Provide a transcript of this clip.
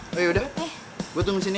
oh ya udah gue tunggu disini ya